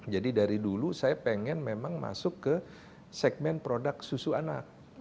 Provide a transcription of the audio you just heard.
jadi dari dulu saya pengen memang masuk ke segmen produk susu anak